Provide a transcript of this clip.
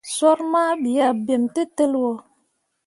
Soor mah ɓii ah bem tǝtǝlliwo.